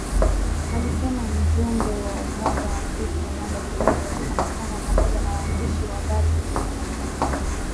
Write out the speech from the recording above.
Alisema mjumbe wa Umoja wa Afrika, Mohamed Lebatt katika mkutano wa pamoja na waandishi wa habari mjini Khartoum